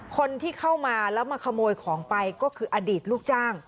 คนที่เข้ามาแล้วมาขโมยของไปก็คืออดีตลูกจ้าง